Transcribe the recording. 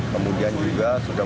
kemudian juga sudah